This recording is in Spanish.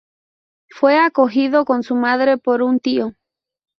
Fue acogido con su madre por un tío.